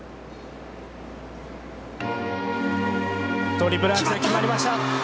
トリプルアクセル決まりました。